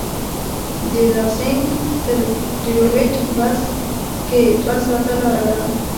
له لانسېنګ تر ډیترویت بس کې دوه ساعته لاره ده.